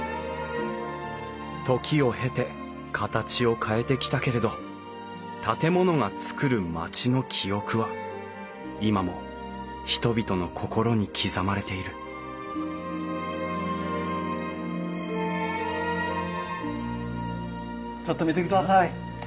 時を経て形を変えてきたけれど建物が作る街の記憶は今も人々の心に刻まれているちょっと見てください。